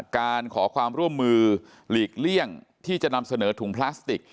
การขอความร่วมมือหลีกเลี่ยงที่จะนำเสนอถุงพลาสติก